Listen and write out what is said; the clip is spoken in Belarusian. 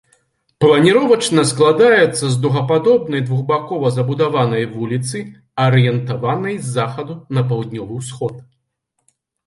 Планіровачна складаецца з дугападобнай двухбакова забудаванай вуліцы, арыентаванай з захаду на паўднёвы ўсход.